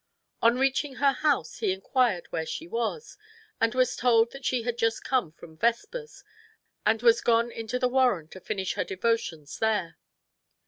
On reaching her house, he inquired where she was, and was told that she had just come from vespers, and was gone into the warren to finish her devotions there.